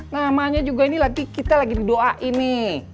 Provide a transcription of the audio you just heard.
namanya juga ini lagi kita lagi di doain nih